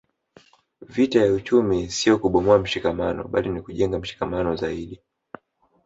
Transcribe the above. Vita ya uchumi sio kubomoa mshikamano bali ni kujenga mshikamano zaidi